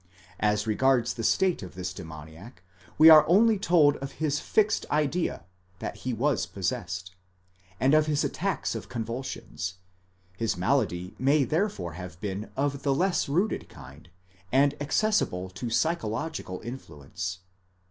As regards the state of this demoniac we are only told of his fixed idea (that he was possessed), and of his attacks of con vulsions ; his malady may therefore have been of the less rooted kind, and accessible to psychological influence.